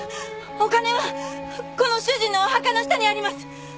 お金はこの主人のお墓の下にあります。